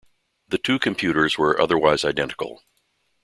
The two computers were otherwise identical.